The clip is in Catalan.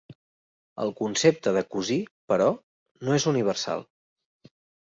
El concepte de cosí, però, no és universal.